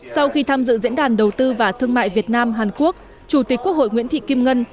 sau khi tham dự diễn đàn đầu tư và thương mại việt nam hàn quốc chủ tịch quốc hội nguyễn thị kim ngân